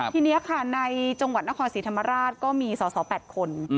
ทีนี้ค่ะในจังหวัดนครศรีธรรมราชก็มีสอสอ๘คน